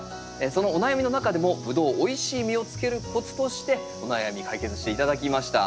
そのお悩みの中でも「ブドウおいしい実をつけるコツ」としてお悩み解決して頂きました。